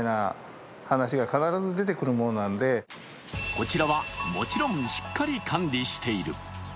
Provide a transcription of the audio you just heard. こちらはもちろんしっかり管理している。